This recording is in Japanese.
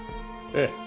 ええ。